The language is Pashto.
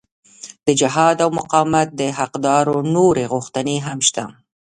د جهاد او مقاومت د حقدارو نورې غوښتنې هم شته.